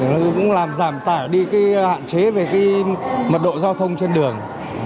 nó cũng làm giảm tải đi hạn chế về cái mật độ giao thông trên đường